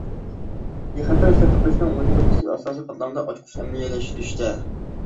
بىخەتەر ئىشلەپچىقىرىشنىڭ مۇھىم نۇقتىسى ئاساسىي قاتلامدا، ئاچقۇچ ئەمەلىيلەشتۈرۈشتە.